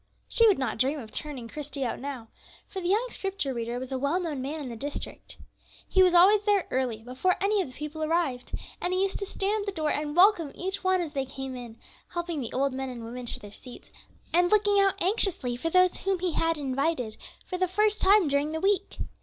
She would not dream of turning Christie out now, for the young Scripture reader was a well known man in the district. He was always there early, before any of the people arrived, and he used to stand at the door and welcome each one as they came in, helping the old men and women to their seats, and looking out anxiously for those whom he had invited for the first time during the week.